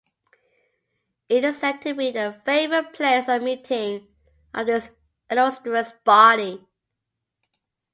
It is said to be the 'favourite place of meeting' of this illustrious body.